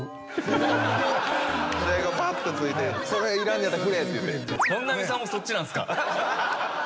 試合後パッと付いてそれいらんねやったらくれ！って。